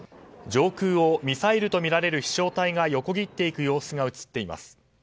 上空をミサイルとみられる飛翔体が横切っていく様子が映っています。